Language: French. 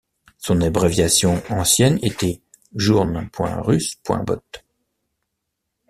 Son abréviation ancienne était Journ.Russe.Bot.